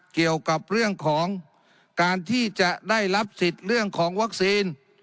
เกี่ยวกับเรื่องของการที่จะได้รับสิทธิ์เรื่องของวัคซีน